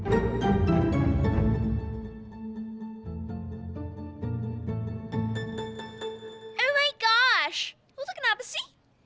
oh my gosh lo tau kenapa sih